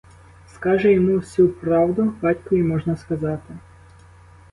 Скаже йому всю правду, батькові можна сказати.